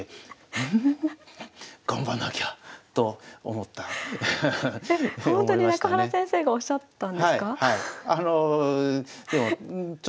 ほんとに中原先生がおっしゃったんですか？